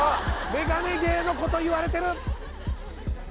眼鏡芸のこと言われてる。